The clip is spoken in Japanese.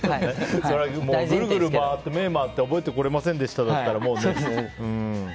ぐるぐる回って目回して覚えてこれませんでしたらもうね。